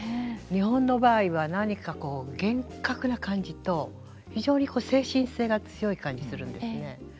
日本の場合は何かこう厳格な感じと非常に精神性が強い感じするんですね。